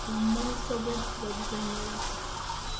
Omweso gw'empiki bauzannya batya?